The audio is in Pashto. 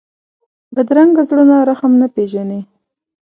بدرنګه زړونه رحم نه پېژني